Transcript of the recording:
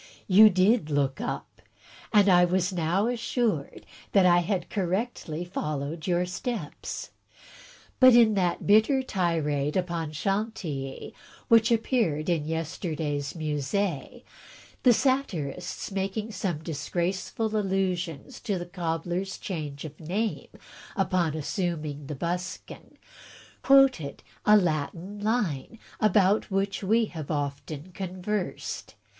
You did look up; and I was now assured that I had correctly followed your steps. But in that bitter tirade upon Chantilly, which appeared in yester day's Mus^e, the satirists, making some disgraceful allusions to the cobbler's change of name upon assuming the buskin, quoted a Latin line about which we have often conversed.